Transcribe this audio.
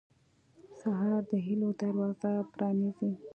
سهار د هيلو دروازه پرانیزي.